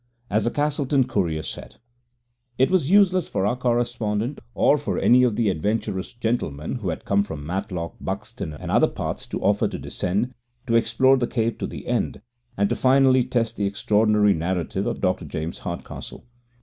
As the Castleton Courier said: "It was useless for our correspondent, or for any of the adventurous gentlemen who had come from Matlock, Buxton, and other parts, to offer to descend, to explore the cave to the end, and to finally test the extraordinary narrative of Dr. James Hardcastle.